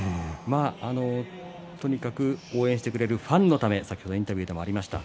とにかく応援してくれるファンのためと先ほどインタビューの中にありました。